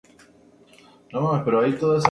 Éste puede verse como un árbol binario infinito.